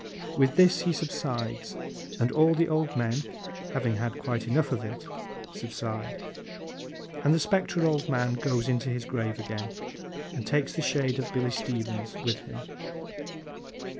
With this he subsides, and all the old men (having had quite enough of it) subside, and the spectral old man goes into his grave again, and takes the shade of Billy Stevens with him.